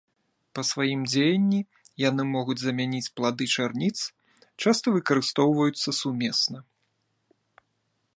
Па сваім дзеянні яны могуць замяніць плады чарніц, часта выкарыстоўваюцца сумесна.